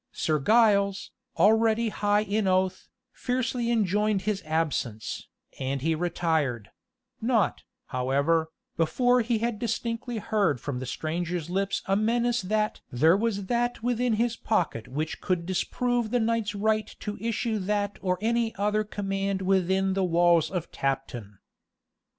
Sir Giles, already high in oath, fiercely enjoined his absence, and he retired; not, however, before he had distinctly heard from the stranger's lips a menace that "there was that within his pocket which could disprove the knight's right to issue that or any other command within the walls of Tapton."